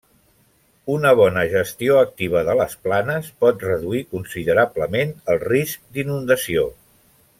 Una bona gestió activa de les planes pot reduir considerablement el risc d'inundació.